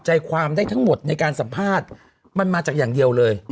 แต่ทั้งนี้ทั้งนั้นเนี่ย